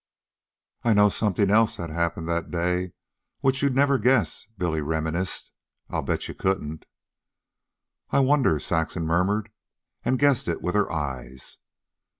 "I know something else that happened that day which you'd never guess," Billy reminisced. "I bet you couldn't. "I wonder," Saxon murmured, and guessed it with her eyes.